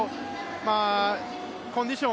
コンディション